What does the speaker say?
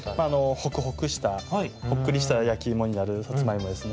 ほくほくしたほっくりしたやきいもになるさつまいもですね。